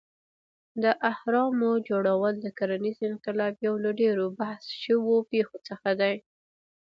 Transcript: د اهرامو جوړول د کرنیز انقلاب یو له ډېرو بحث شوو پېښو څخه دی.